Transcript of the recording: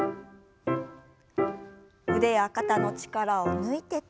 腕や肩の力を抜いて。